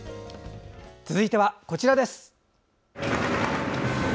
続いてはこちらです。